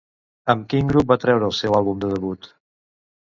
Amb quin grup va treure el seu àlbum de debut?